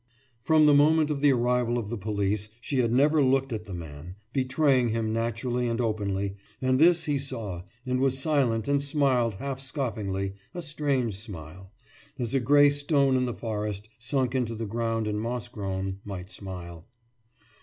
From the moment of the arrival of the police she had never looked at the man, betraying him naturally and openly; and this he saw, and was silent and smiled half scoffingly, a strange smile as a gray stone in the forest, sunk into the ground and mossgrown, might smile.